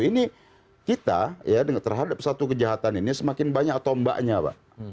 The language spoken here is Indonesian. ini kita ya terhadap satu kejahatan ini semakin banyak tombaknya pak